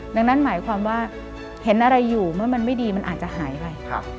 ดังนั้นหมายความว่าเห็นอะไรอยู่เมื่อมันไม่ดีมันอาจจะหายไป